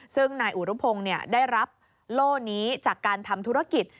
ซึ่งนายอุรุพงศ์ได้รับโล่นี้จากการทำธุรกิจ